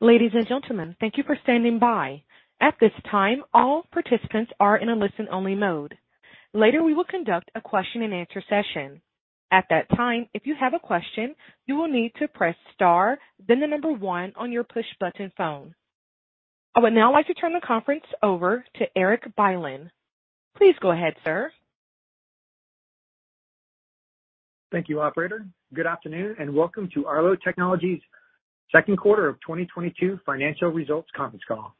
Ladies and gentlemen, thank you for standing by. At this time, all participants are in a listen-only mode. Later, we will conduct a question-and-answer session. At that time, if you have a question, you will need to press star, then one on your push button phone. I would now like to turn the conference over to Erik Bylin. Please go ahead, sir. Thank you, operator. Good afternoon, and welcome to Arlo Technologies Q2 of 2022 financial results conference call.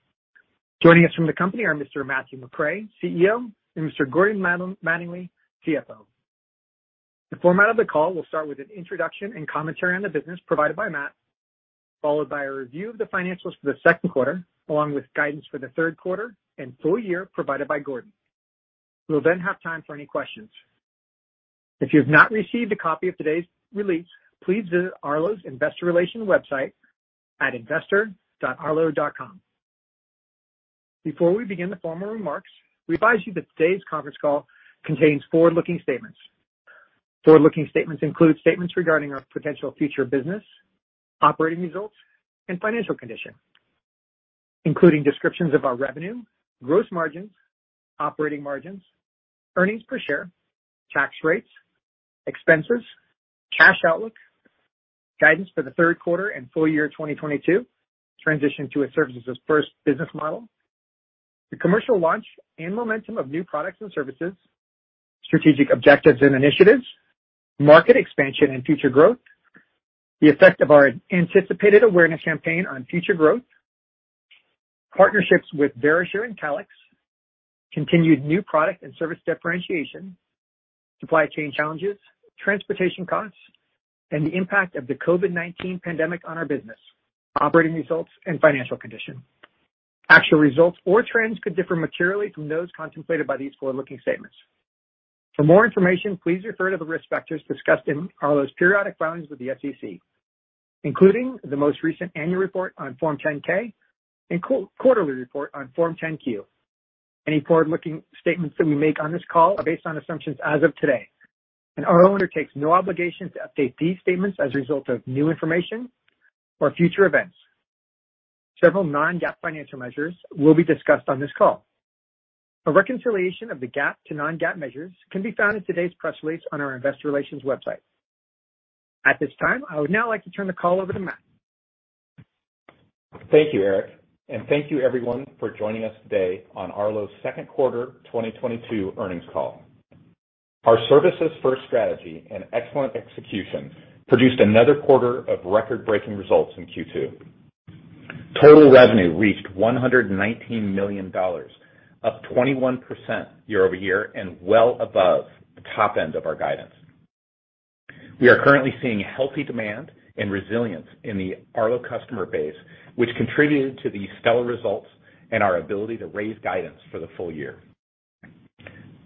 Joining us from the company are Mr. Matthew McRae, CEO, and Mr. Gordon Mattingly, CFO. The format of the call will start with an introduction and commentary on the business provided by Matt, followed by a review of the financials for the Q2, along with guidance for the Q3 and full year provided by Gordon. We'll then have time for any questions. If you've not received a copy of today's release, please visit Arlo's investor relations website at investor.arlo.com. Before we begin the formal remarks, we advise you that today's conference call contains forward-looking statements. Forward-looking statements include statements regarding our potential future business, operating results, and financial condition, including descriptions of our revenue, gross margins, operating margins, earnings per share, tax rates, expenses, cash outlook, guidance for the Q3 and full-year 2022, transition to a services first business model, the commercial launch and momentum of new products and services, strategic objectives and initiatives, market expansion and future growth, the effect of our anticipated awareness campaign on future growth, partnerships with Verisure and Calix, continued new product and service differentiation, supply chain challenges, transportation costs, and the impact of the COVID-19 pandemic on our business, operating results and financial condition. Actual results or trends could differ materially from those contemplated by these forward-looking statements. For more information, please refer to the risk factors discussed in Arlo's periodic filings with the SEC, including the most recent annual report on Form 10-K and quarterly report on Form 10-Q. Any forward-looking statements that we make on this call are based on assumptions as of today, and Arlo undertakes no obligation to update these statements as a result of new information or future events. Several non-GAAP financial measures will be discussed on this call. A reconciliation of the GAAP to non-GAAP measures can be found in today's press release on our investor relations website. At this time, I would now like to turn the call over to Matt. Thank you, Erik. Thank you everyone for joining us today on Arlo's Q2 2022 earnings call. Our services first strategy and excellent execution produced another quarter of record-breaking results in Q2. Total revenue reached $119 million, up 21% year-over-year and well above the top end of our guidance. We are currently seeing healthy demand and resilience in the Arlo customer base, which contributed to the stellar results and our ability to raise guidance for the full year.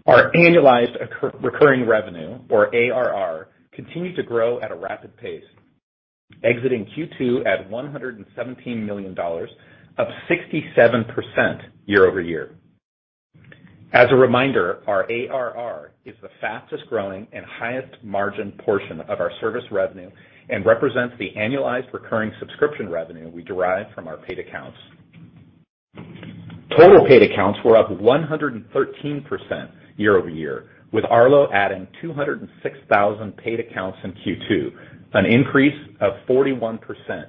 Our annualized recurring revenue, or ARR, continued to grow at a rapid pace, exiting Q2 at $117 million, up 67% year-over-year. As a reminder, our ARR is the fastest growing and highest margin portion of our service revenue and represents the annualized recurring subscription revenue we derive from our paid accounts. Total paid accounts were up 113% year-over-year, with Arlo adding 206,000 paid accounts in Q2, an increase of 41%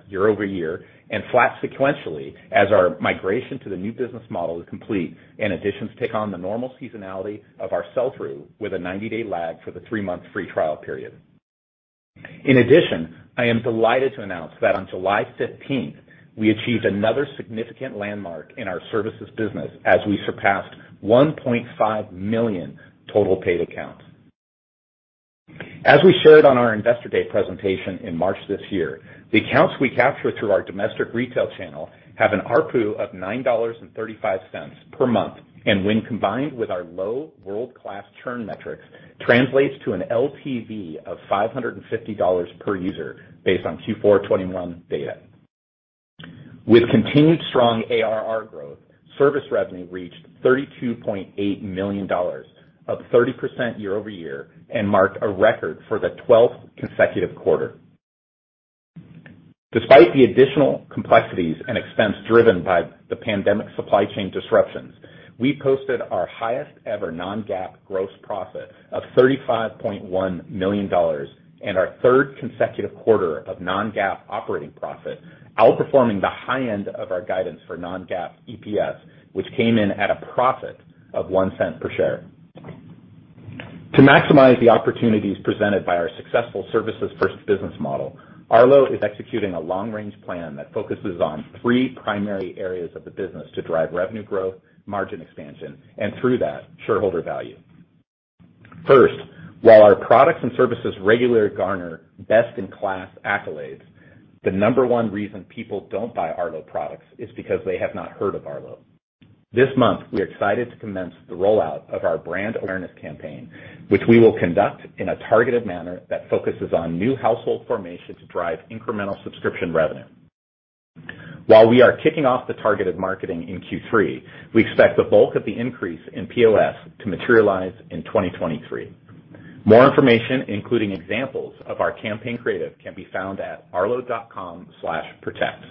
year-over-year and flat sequentially as our migration to the new business model is complete and additions take on the normal seasonality of our sell-through with a 90-day lag for the three-month free trial period. In addition, I am delighted to announce that on July 15th, we achieved another significant landmark in our services business as we surpassed 1.5 million total paid accounts. As we shared on our Investor Day presentation in March this year, the accounts we capture through our domestic retail channel have an ARPU of $9.35 per month, and when combined with our low, world-class churn metrics, translates to an LTV of $550 per user based on Q4 2021 data. With continued strong ARR growth, service revenue reached $32.8 million, up 30% year-over-year and marked a record for the 12th consecutive quarter. Despite the additional complexities and expense driven by the pandemic supply chain disruptions, we posted our highest ever non-GAAP gross profit of $35.1 million and our third consecutive quarter of non-GAAP operating profit, outperforming the high end of our guidance for non-GAAP EPS, which came in at a profit of $0.01 per share. To maximize the opportunities presented by our successful services first business model, Arlo is executing a long-range plan that focuses on three primary areas of the business to drive revenue growth, margin expansion, and through that, shareholder value. First, while our products and services regularly garner best-in-class accolades, the number one reason people don't buy Arlo products is because they have not heard of Arlo. This month, we are excited to commence the rollout of our brand awareness campaign, which we will conduct in a targeted manner that focuses on new household formation to drive incremental subscription revenue. While we are kicking off the targeted marketing in Q3, we expect the bulk of the increase in POS to materialize in 2023. More information, including examples of our campaign creative can be found at arlo.com/protect.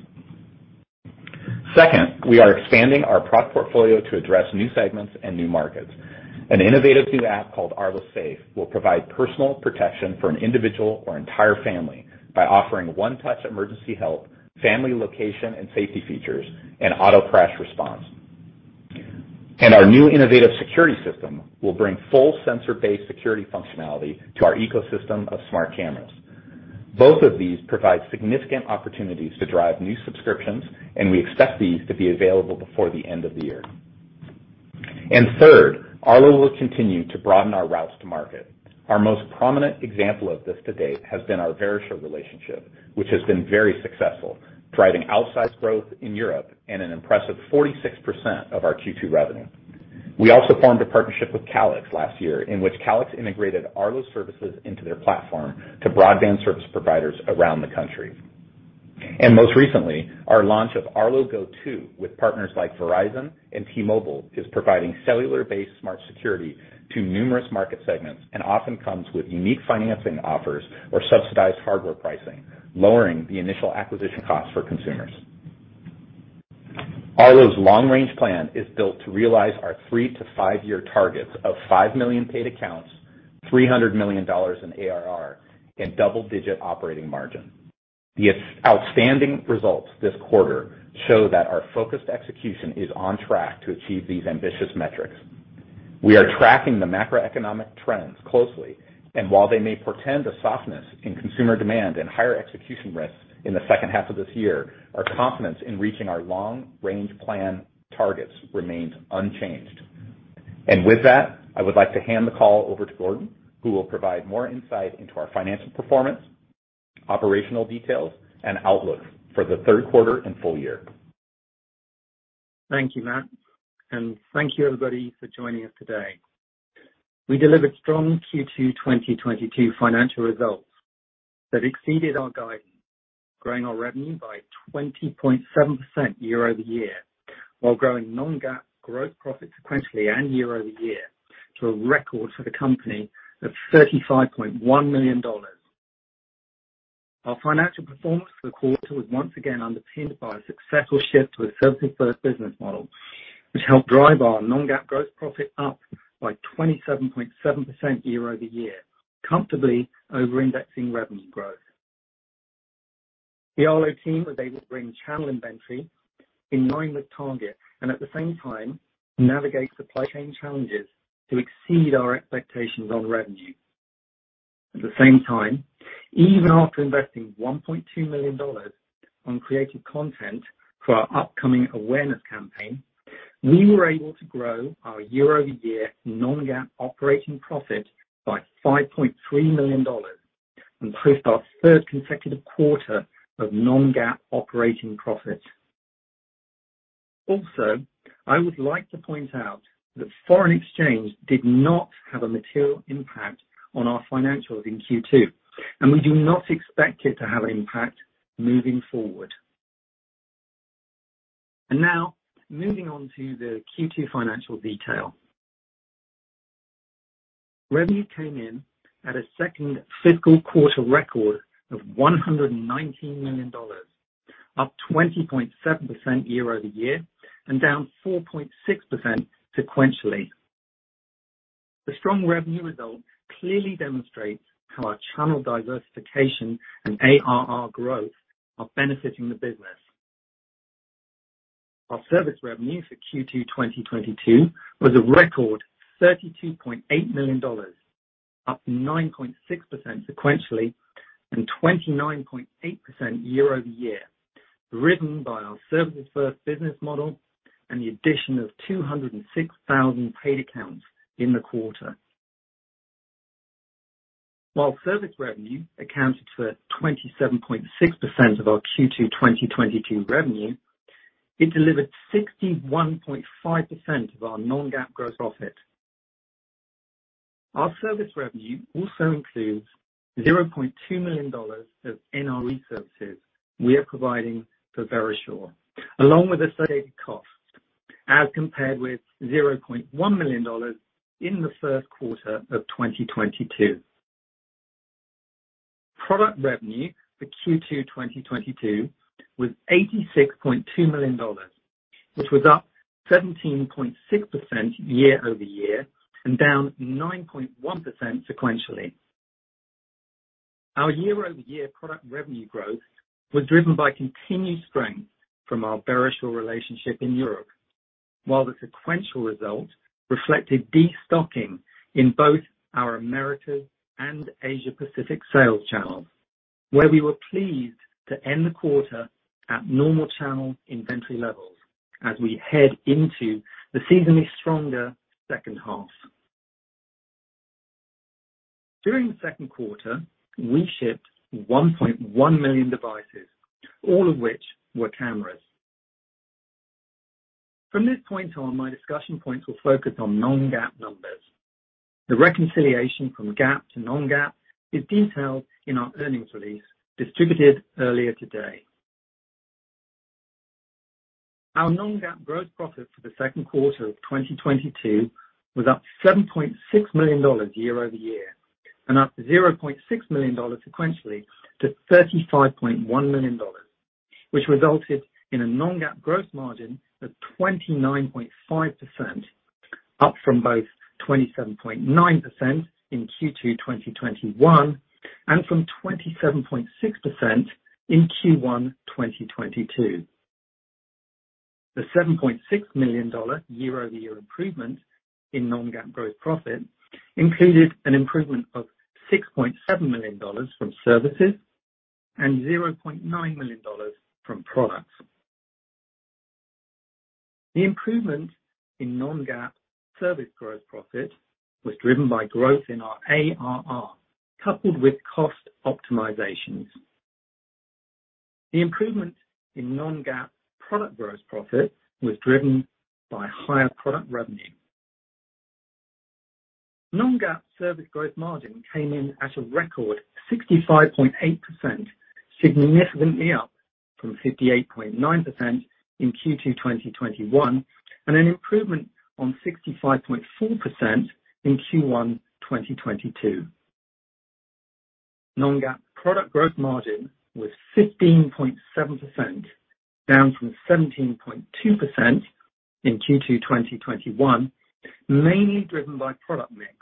Second, we are expanding our product portfolio to address new segments and new markets. An innovative new app called Arlo Safe will provide personal protection for an individual or entire family by offering one-touch emergency help, family location and safety features, and auto crash response. Our new innovative security system will bring full sensor-based security functionality to our ecosystem of smart cameras. Both of these provide significant opportunities to drive new subscriptions, and we expect these to be available before the end of the year. Third, Arlo will continue to broaden our routes to market. Our most prominent example of this to date has been our Verisure relationship, which has been very successful, driving outsized growth in Europe and an impressive 46% of our Q2 revenue. We also formed a partnership with Calix last year, in which Calix integrated Arlo services into their platform to broadband service providers around the country. Most recently, our launch of Arlo Go 2 with partners like Verizon and T-Mobile is providing cellular-based smart security to numerous market segments and often comes with unique financing offers or subsidized hardware pricing, lowering the initial acquisition costs for consumers. Arlo's long-range plan is built to realize our three to five-year targets of 5 million paid accounts, $300 million in ARR, and double-digit operating margin. The outstanding results this quarter show that our focused execution is on track to achieve these ambitious metrics. We are tracking the macroeconomic trends closely, and while they may portend a softness in consumer demand and higher execution risks in the H2 of this year, our confidence in reaching our long-range plan targets remains unchanged. With that, I would like to hand the call over to Gordon, who will provide more insight into our financial performance, operational details, and outlook for the Q3 and full year. Thank you, Matt, and thank you everybody for joining us today. We delivered strong Q2 2022 financial results that exceeded our guidance, growing our revenue by 20.7% year-over-year, while growing non-GAAP gross profit sequentially and year-over-year to a record for the company of $35.1 million. Our financial performance for the quarter was once again underpinned by a successful shift to a services first business model, which helped drive our non-GAAP gross profit up by 27.7% year-over-year, comfortably over-indexing revenue growth. The Arlo team was able to bring channel inventory in line with target and at the same time navigate supply chain challenges to exceed our expectations on revenue. At the same time, even after investing $1.2 million on creative content for our upcoming awareness campaign, we were able to grow our year-over-year non-GAAP operating profit by $5.3 million and post our third consecutive quarter of non-GAAP operating profit. Also, I would like to point out that foreign exchange did not have a material impact on our financials in Q2, and we do not expect it to have an impact moving forward. Now moving on to the Q2 financial detail. Revenue came in at a second fiscal quarter record of $119 million, up 20.7% year-over-year and down 4.6% sequentially. The strong revenue results clearly demonstrate how our channel diversification and ARR growth are benefiting the business. Our service revenue for Q2 2022 was a record $32.8 million, up 9.6% sequentially and 29.8% year-over-year, driven by our services first business model and the addition of 206,000 paid accounts in the quarter. While service revenue accounted for 27.6% of our Q2 2022 revenue, it delivered 61.5% of our non-GAAP gross profit. Our service revenue also includes $0.2 million of NRE services we are providing for Verisure, along with associated costs, as compared with $0.1 million in the Q1 of 2022. Product revenue for Q2 2022 was $86.2 million, which was up 17.6% year-over-year and down 9.1% sequentially. Our year-over-year product revenue growth was driven by continued strength from our Verisure relationship in Europe. While the sequential result reflected destocking in both our Americas and Asia Pacific sales channels, where we were pleased to end the quarter at normal channel inventory levels as we head into the seasonally stronger H2. During the Q2, we shipped 1.1 million devices, all of which were cameras. From this point on, my discussion points will focus on non-GAAP numbers. The reconciliation from GAAP to non-GAAP is detailed in our earnings release distributed earlier today. Our non-GAAP gross profit for the Q2 of 2022 was up $7.6 million year-over-year, and up $0.6 million sequentially to $35.1 million, which resulted in a non-GAAP gross margin of 29.5%, up from both 27.9% in Q2 2021 and from 27.6% in Q1 2022. The $7.6 million year-over-year improvement in non-GAAP gross profit included an improvement of $6.7 million from services and $0.9 million from products. The improvement in non-GAAP service gross profit was driven by growth in our ARR, coupled with cost optimizations. The improvement in non-GAAP product gross profit was driven by higher product revenue. Non-GAAP service gross margin came in at a record 65.8%, significantly up from 58.9% in Q2 2021, and an improvement on 65.4% in Q1 2022. non-GAAP product gross margin was 15.7%, down from 17.2% in Q2 2021, mainly driven by product mix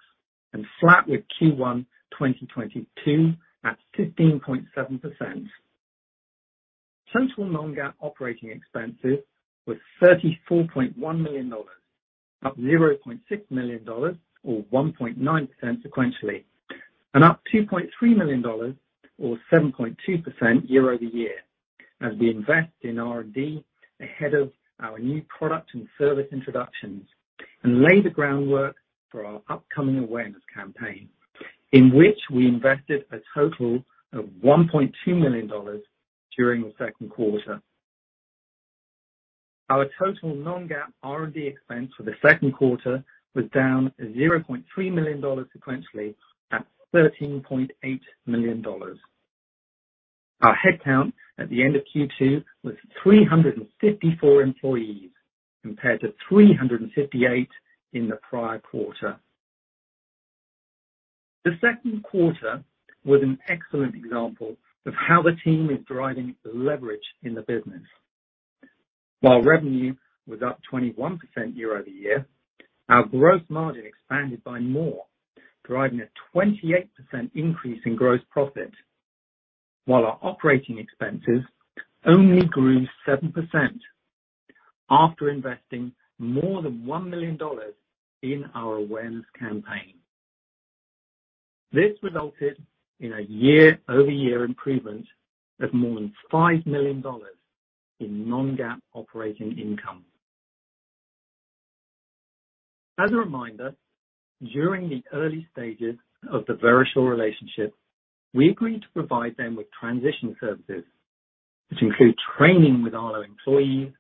and flat with Q1 2022 at 15.7%. Total non-GAAP operating expenses was $34.1 million, up $0.6 million or 1.9% sequentially, and up $2.3 million or 7.2% year-over-year as we invest in R&D ahead of our new product and service introductions and lay the groundwork for our upcoming awareness campaign in which we invested a total of $1.2 million during the Q2. Our total non-GAAP R&D expense for the Q2 was down $0.3 million sequentially at $13.8 million. Our headcount at the end of Q2 was 354 employees, compared to 358 in the prior quarter. The Q2 was an excellent example of how the team is driving leverage in the business. While revenue was up 21% year-over-year, our gross margin expanded by more, driving a 28% increase in gross profit. While our operating expenses only grew 7% after investing more than $1 million in our awareness campaign. This resulted in a year-over-year improvement of more than $5 million in non-GAAP operating income. As a reminder, during the early stages of the Verisure relationship, we agreed to provide them with transition services, which include training with our employees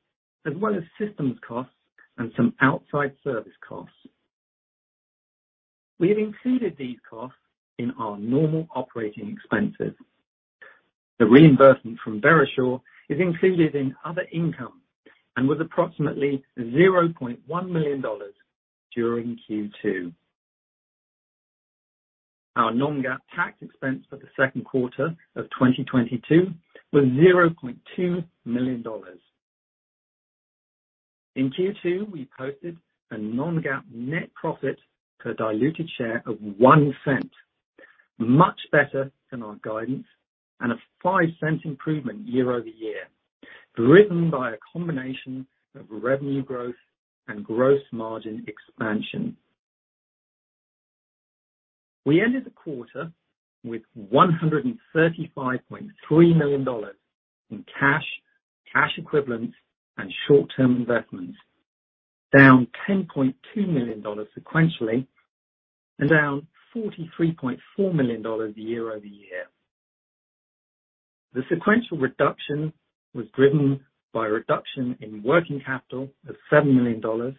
as well as systems costs and some outside service costs. We have included these costs in our normal operating expenses. The reimbursement from Verisure is included in other income and was approximately $0.1 million during Q2. Our non-GAAP tax expense for the Q2 of 2022 was $0.2 million. In Q2, we posted a non-GAAP net profit per diluted share of $0.01, much better than our guidance and a $0.05 improvement year-over-year, driven by a combination of revenue growth and gross margin expansion. We ended the quarter with $135.3 million in cash equivalents, and short-term investments, down $10.2 million sequentially and down $43.4 million year-over-year. The sequential reduction was driven by a reduction in working capital of $7 million,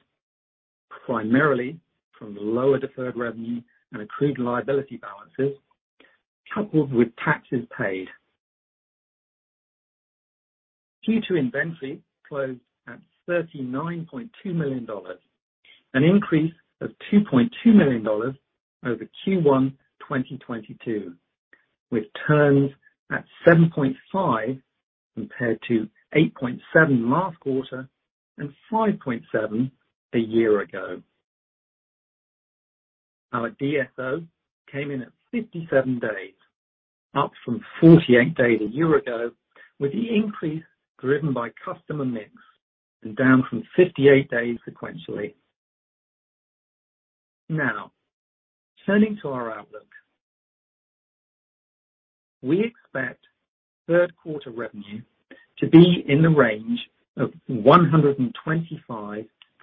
primarily from the lower deferred revenue and accrued liability balances, coupled with taxes paid. Q2 inventory closed at $39.2 million, an increase of $2.2 million over Q1 2022, with turns at 7.5 compared to 8.7 last quarter and 5.7 a year ago. Our DSO came in at 57 days, up from 48 days a year ago, with the increase driven by customer mix and down from 58 days sequentially. Now, turning to our outlook. We expect Q3 revenue to be in the range of $125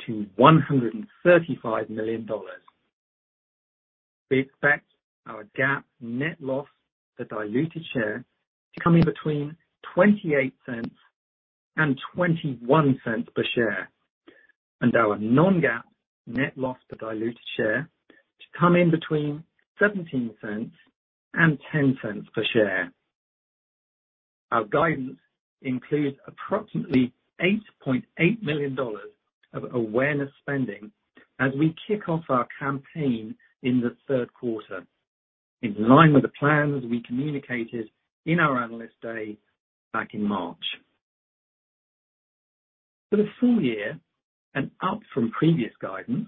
million-$135 million. We expect our GAAP net loss per diluted share to come in between $0.28 and $0.21 per share. Our non-GAAP net loss per diluted share to come in between $0.17 and $0.10 per share. Our guidance includes approximately $8.8 million of awareness spending as we kick off our campaign in the Q3, in line with the plans we communicated in our Analyst Day back in March. For the full year and up from previous guidance,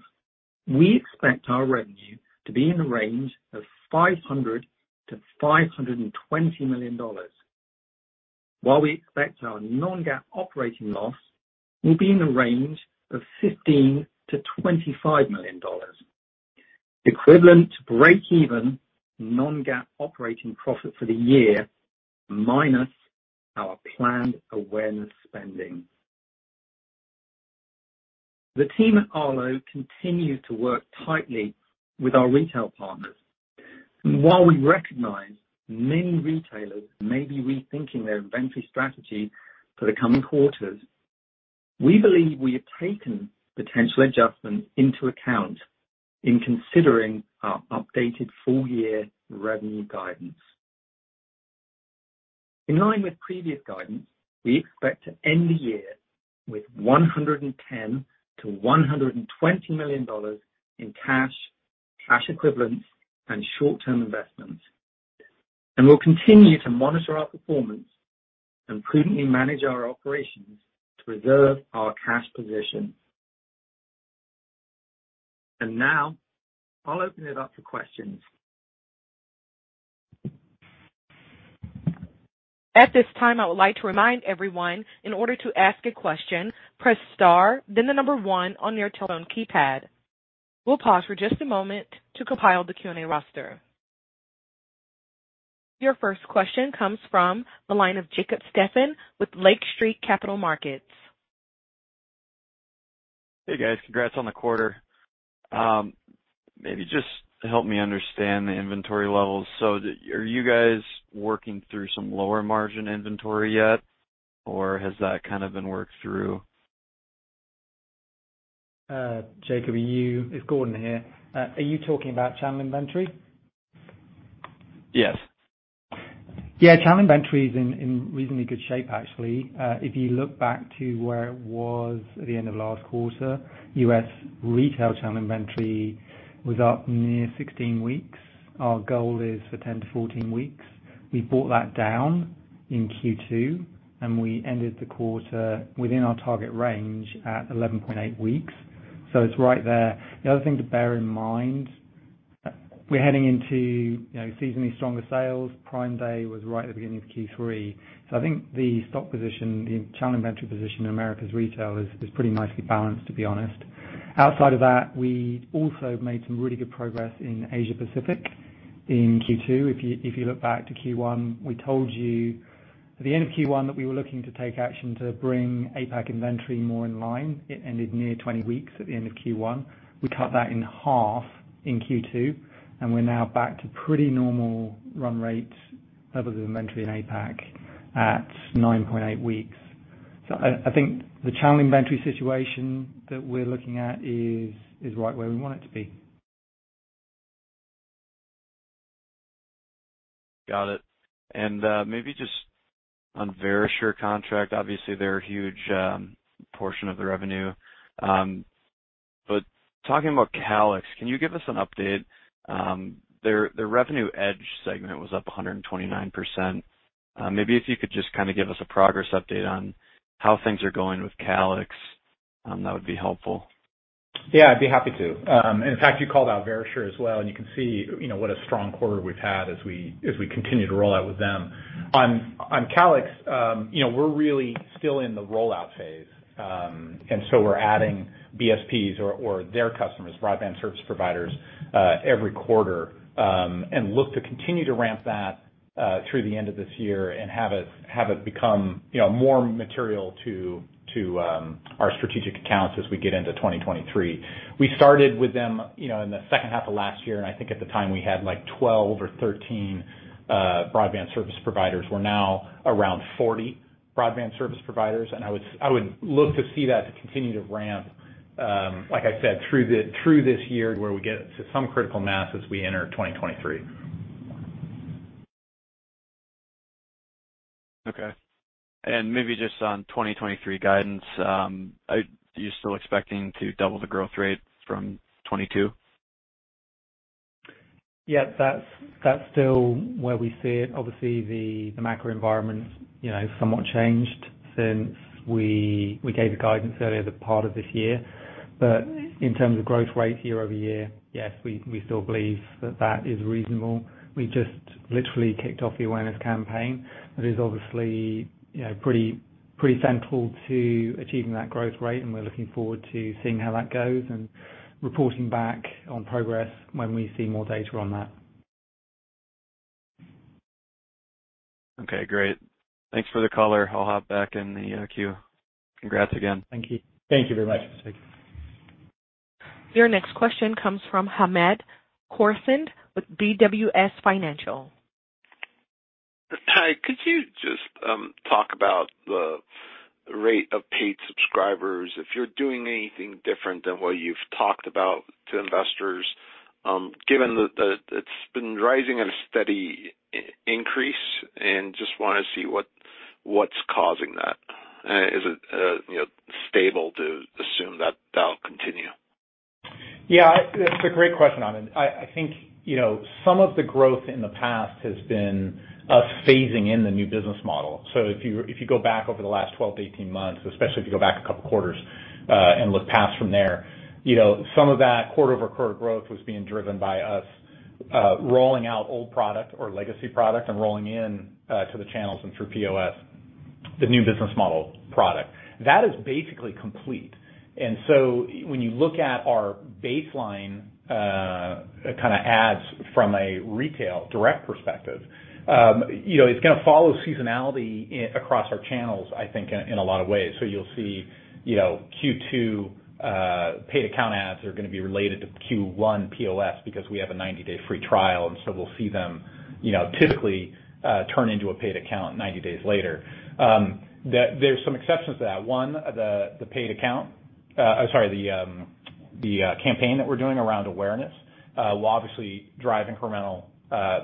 we expect our revenue to be in the range of $500 million-$520 million. While we expect our non-GAAP operating loss will be in the range of $15-$25 million, equivalent to breakeven non-GAAP operating profit for the year minus our planned awareness spending. The team at Arlo continues to work tightly with our retail partners. While we recognize many retailers may be rethinking their inventory strategy for the coming quarters, we believe we have taken potential adjustments into account in considering our updated full year revenue guidance. In line with previous guidance, we expect to end the year with $110 million-$120 million in cash equivalents, and short-term investments. We'll continue to monitor our performance and prudently manage our operations to reserve our cash position. Now I'll open it up to questions. At this time, I would like to remind everyone, in order to ask a question, press star then the number one on your telephone keypad. We'll pause for just a moment to compile the Q&A roster. Your first question comes from the line of Jacob Stephan with Lake Street Capital Markets. Hey, guys. Congrats on the quarter. Maybe just help me understand the inventory levels. Are you guys working through some lower margin inventory yet, or has that kind of been worked through? Jacob, it's Gordon here. Are you talking about channel inventory? Yes. Yeah, channel inventory is in reasonably good shape actually. If you look back to where it was at the end of last quarter, U.S. retail channel inventory was up near 16 weeks. Our goal is for 10-14 weeks. We brought that down in Q2, and we ended the quarter within our target range at 11.8 weeks. So, it's right there. The other thing to bear in mind, we're heading into, you know, seasonally stronger sales. Prime Day was right at the beginning of Q3. So, I think the stock position, the channel inventory position in Americas retail is pretty nicely balanced, to be honest. Outside of that, we also made some really good progress in Asia Pacific in Q2. If you look back to Q1, we told you at the end of Q1 that we were looking to take action to bring APAC inventory more in line. It ended near 20 weeks at the end of Q1. We cut that in half in Q2, and we're now back to pretty normal run rate levels of inventory in APAC at 9.8 weeks. I think the channel inventory situation that we're looking at is right where we want it to be. Got it. Maybe just on Verisure contract, obviously they're a huge portion of the revenue. Talking about Calix, can you give us an update? Their Revenue Edge segment was up 129%. Maybe if you could just kinda give us a progress update on how things are going with Calix, that would be helpful. Yeah, I'd be happy to. And in fact, you called out Verisure as well, and you can see, you know, what a strong quarter we've had as we continue to roll out with them. On Calix, you know, we're really still in the rollout phase. And so, we're adding BSPs or their customers, broadband service providers, every quarter, and look to continue to ramp that through the end of this year and have it become, you know, more material to our strategic accounts as we get into 2023. We started with them, you know, in the H2 of last year, and I think at the time we had like 12 or 13 broadband service providers. We're now around 40 broadband service providers, and I would look to see that to continue to ramp, like I said, through this year where we get to some critical mass as we enter 2023. Okay. Maybe just on 2023 guidance, are you still expecting to double the growth rate from 2022? Yeah, that's still where we see it. Obviously, the macro environment's, you know, somewhat changed since we gave the guidance earlier the part of this year. In terms of growth rate year-over-year, yes, we still believe that is reasonable. We just literally kicked off the awareness campaign. That is obviously, you know, pretty central to achieving that growth rate, and we're looking forward to seeing how that goes and reporting back on progress when we see more data on that. Okay, great. Thanks for the color. I'll hop back in the queue. Congrats again. Thank you. Thank you very much. Thank you. Your next question comes from Hamed Khorsand with BWS Financial. Hi, could you just talk about the rate of paid subscribers, if you're doing anything different than what you've talked about to investors, given that it's been rising at a steady increase, and just wanna see what's causing that? Is it, you know, stable to assume that that'll continue? Yeah. It's a great question, Hamed. I think, you know, some of the growth in the past has been us phasing in the new business model. If you go back over the last 12-18 months, especially if you go back a couple quarters, and look past from there, you know, some of that quarter-over-quarter growth was being driven by us, rolling out old product or legacy product and rolling in to the channels and through POS the new business model product. That is basically complete. When you look at our baseline, kinda adds from a retail direct perspective, you know, it's gonna follow seasonality across our channels, I think, in a lot of ways. You'll see, you know, Q2 paid account adds are gonna be related to Q1 POS because we have a 90-day free trial, and so we'll see them, you know, typically, turn into a paid account 90 days later. There's some exceptions to that. One, the campaign that we're doing around awareness will obviously drive incremental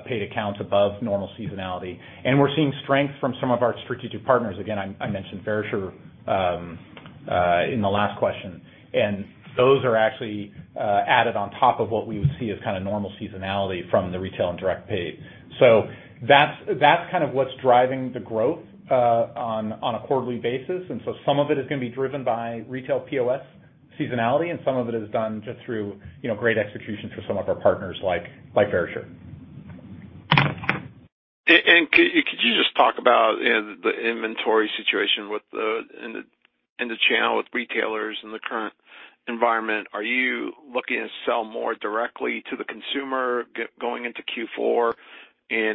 paid accounts above normal seasonality. We're seeing strength from some of our strategic partners. Again, I mentioned Verisure in the last question. Those are actually added on top of what we would see as kinda normal seasonality from the retail and direct paid. That's kind of what's driving the growth on a quarterly basis. Some of it is gonna be driven by retail POS seasonality, and some of it is done just through, you know, great execution through some of our partners like Verisure. Could you just talk about, you know, the inventory situation within the channel with retailers in the current environment? Are you looking to sell more directly to the consumer going into Q4?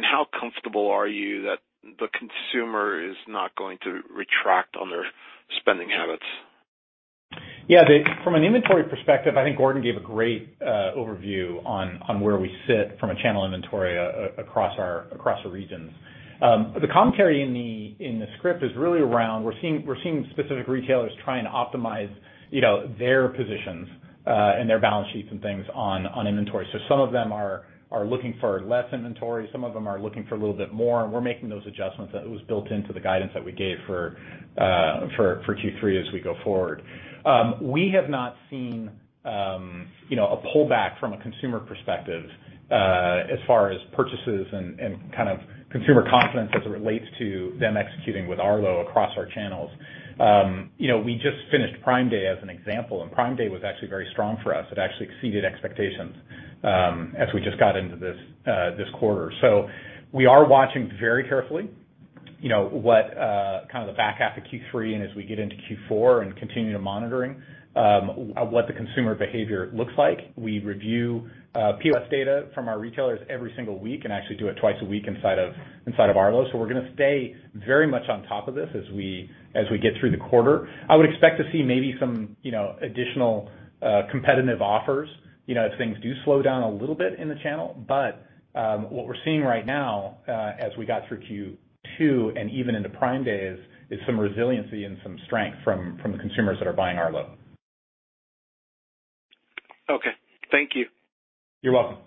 How comfortable are you that the consumer is not going to retract on their spending habits? From an inventory perspective, I think Gordon gave a great overview on where we sit from a channel inventory across the regions. The commentary in the script is really around we're seeing specific retailers trying to optimize, you know, their positions and their balance sheets and things on inventory. Some of them are looking for less inventory, some of them are looking for a little bit more, and we're making those adjustments. It was built into the guidance that we gave for Q3 as we go forward. We have not seen, you know, a pullback from a consumer perspective as far as purchases and kind of consumer confidence as it relates to them executing with Arlo across our channels. You know, we just finished Prime Day, as an example, and Prime Day was actually very strong for us. It actually exceeded expectations, as we just got into this quarter. We are watching very carefully, you know, what kind of the back half of Q3 and as we get into Q4 and continue to monitor what the consumer behavior looks like. We review POS data from our retailers every single week and actually do it twice a week inside of Arlo. We're gonna stay very much on top of this as we get through the quarter. I would expect to see maybe some, you know, additional competitive offers, you know, if things do slow down a little bit in the channel. What we're seeing right now, as we got through Q2, and even into Prime Day, is some resiliency and some strength from the consumers that are buying Arlo. Okay. Thank you. You're welcome.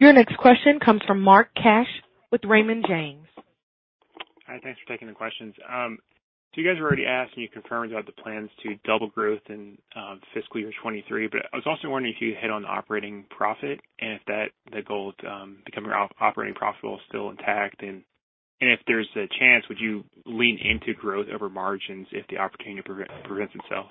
Your next question comes from Mark Cash with Raymond James. Hi. Thanks for taking the questions. So, you guys were already asked, and you confirmed about the plans to double growth in fiscal year 2023, but I was also wondering if you hit on the operating profit, and if that, the goal to become operationally profitable is still intact. And if there's a chance, would you lean into growth over margins if the opportunity presents itself?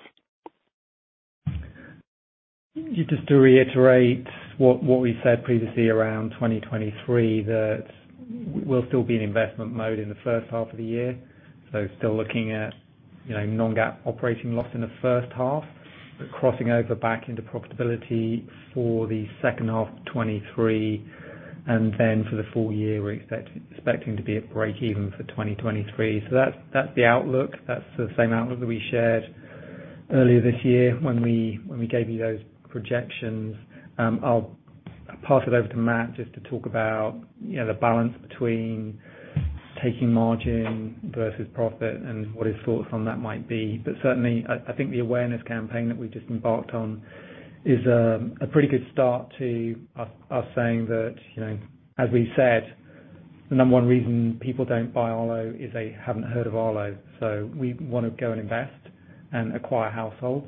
Just to reiterate what we said previously around 2023, that we'll still be in investment mode in the H1 of the year. Still looking at, you know, non-GAAP operating loss in the H1, but crossing over back into profitability for the H2 2023. Then for the full year, we're expecting to be at breakeven for 2023. That's the outlook. That's the same outlook that we shared earlier this year when we gave you those projections. I'll pass it over to Matt just to talk about, you know, the balance between taking margin versus profit and what his thoughts on that might be. Certainly, I think the awareness campaign that we've just embarked on is a pretty good start to us saying that, you know, as we said, the number one reason people don't buy Arlo is they haven't heard of Arlo. We wanna go and invest and acquire households.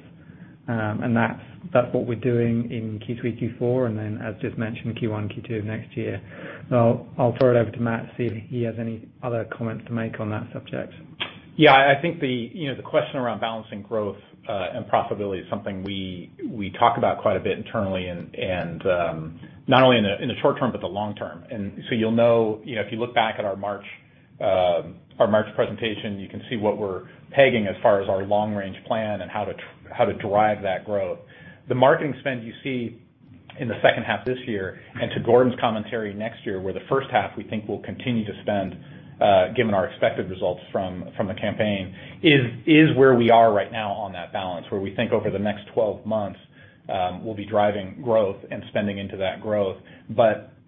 That's what we're doing in Q3, Q4, and then as just mentioned, Q1, Q2 of next year. I'll throw it over to Matt, see if he has any other comments to make on that subject. Yeah. I think the question around balancing growth and profitability is something we talk about quite a bit internally and not only in the short term, but the long term. You'll know, you know, if you look back at our March presentation, you can see what we're pegging as far as our long-range plan and how to drive that growth. The marketing spend you see in the H2 this year, and to Gordon's commentary next year, where the H1 we think we'll continue to spend, given our expected results from the campaign, is where we are right now on that balance, where we think over the next 12 months we'll be driving growth and spending into that growth.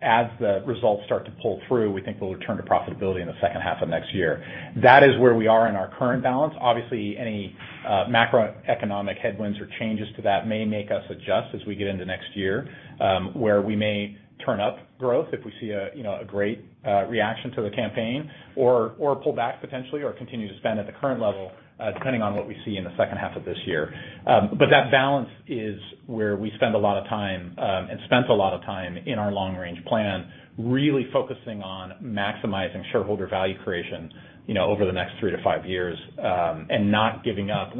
As the results start to pull through, we think we'll return to profitability in the H2f of next year. That is where we are in our current balance. Obviously, any macroeconomic headwinds or changes to that may make us adjust as we get into next year, where we may turn up growth if we see a, you know, a great reaction to the campaign or pull back potentially or continue to spend at the current level, depending on what we see in the H2 of this year. That balance is where we spend a lot of time and spent a lot of time in our long-range plan, really focusing on maximizing shareholder value creation, you know, over the next three to five years, and not giving up.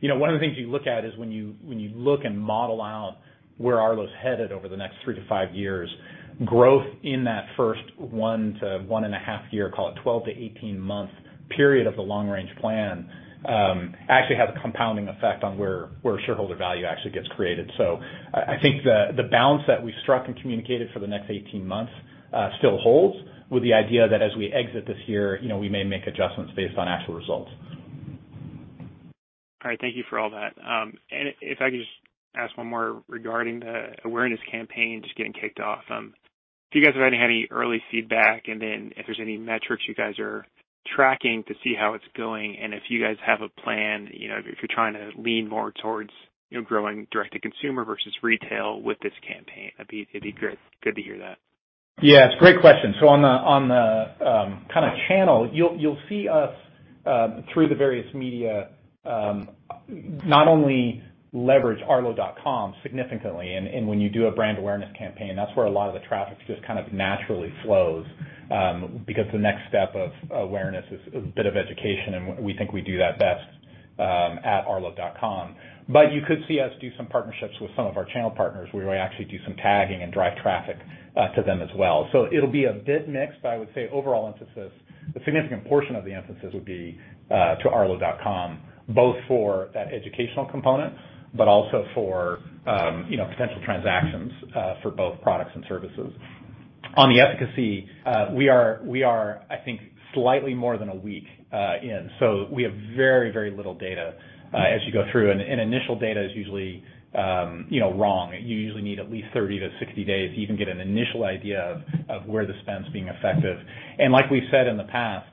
You know, one of the things you look at is when you look and model out where Arlo's headed over the next three to five years, growth in that first one to 1.5 year, call it 12-18 month period of the long range plan, actually has a compounding effect on where shareholder value actually gets created. I think the balance that we've struck and communicated for the next 18 months still holds with the idea that as we exit this year, you know, we may make adjustments based on actual results. All right. Thank you for all that. If I could just ask one more regarding the awareness campaign just getting kicked off. If you guys have had any early feedback and then if there's any metrics you guys are tracking to see how it's going and if you guys have a plan, you know, if you're trying to lean more towards, you know, growing direct to consumer versus retail with this campaign. It'd be great to hear that. Yes, great question. On the kind of channel, you'll see us through the various media not only leverage arlo.com significantly, and when you do a brand awareness campaign, that's where a lot of the traffic just kind of naturally flows, because the next step of awareness is a bit of education and we think we do that best at arlo.com. But you could see us do some partnerships with some of our channel partners where we actually do some tagging and drive traffic to them as well. It'll be a bit mixed, but I would say overall emphasis, a significant portion of the emphasis would be to arlo.com, both for that educational component but also for, you know, potential transactions for both products and services. On the efficacy, we are, I think, slightly more than a week in, so we have very, very little data as you go through. Initial data is usually, you know, wrong. You usually need at least 30-60 days to even get an initial idea of where the spends being effective. Like we've said in the past,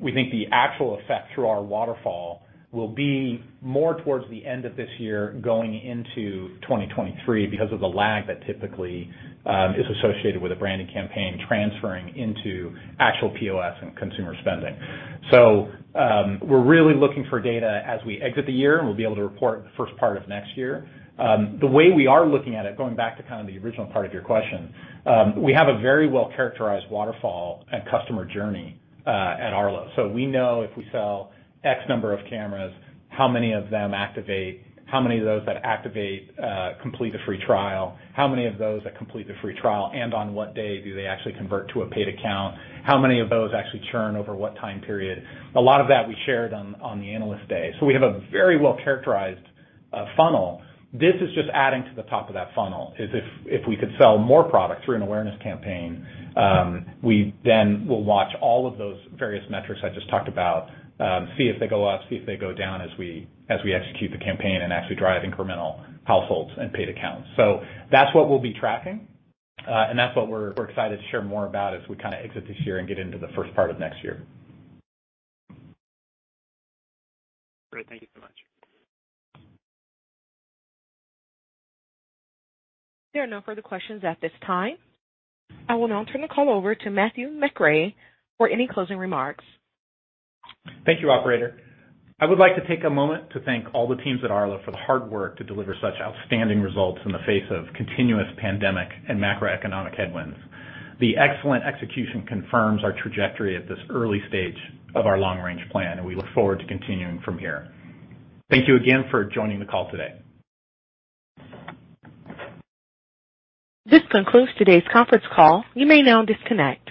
we think the actual effect through our waterfall will be more towards the end of this year going into 2023 because of the lag that typically is associated with a branding campaign transferring into actual POS and consumer spending. We're really looking for data as we exit the year, and we'll be able to report the first part of next year. The way we are looking at it, going back to kind of the original part of your question, we have a very well-characterized waterfall and customer journey at Arlo. We know if we sell X number of cameras, how many of them activate, how many of those that activate complete a free trial, how many of those that complete the free trial, and on what day do they actually convert to a paid account? How many of those actually churn over what time period? A lot of that we shared on the Analyst Day. We have a very well-characterized funnel. This is just adding to the top of that funnel is if we could sell more product through an awareness campaign, we then will watch all of those various metrics I just talked about, see if they go up, see if they go down as we execute the campaign and actually drive incremental households and paid accounts. That's what we'll be tracking, and that's what we're excited to share more about as we kinda exit this year and get into the first part of next year. Great. Thank you so much. There are no further questions at this time. I will now turn the call over to Matthew McRae for any closing remarks. Thank you, operator. I would like to take a moment to thank all the teams at Arlo for the hard work to deliver such outstanding results in the face of continuous pandemic and macroeconomic headwinds. The excellent execution confirms our trajectory at this early stage of our long-range plan, and we look forward to continuing from here. Thank you again for joining the call today. This concludes today's conference call. You may now disconnect.